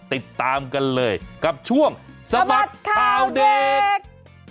ติดตามกันเลยกับช่วงสะบัดข่าวเด็ก